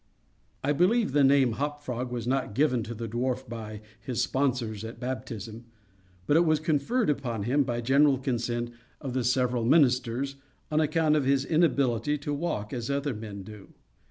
I believe the name "Hop Frog" was not that given to the dwarf by his sponsors at baptism, but it was conferred upon him, by general consent of the seven ministers, on account of his inability to walk as other men do.